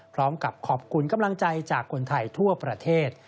พร้อมกับขอบคุณกำลังใจจากคนไทยทั่วประเทศ